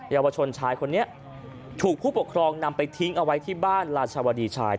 เยาวชนชายคนนี้ถูกผู้ปกครองนำไปทิ้งเอาไว้ที่บ้านราชวดีชาย